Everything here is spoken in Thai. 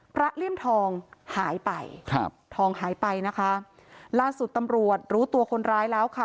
เลี่ยมทองหายไปครับทองหายไปนะคะล่าสุดตำรวจรู้ตัวคนร้ายแล้วค่ะ